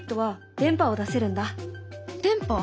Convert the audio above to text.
電波？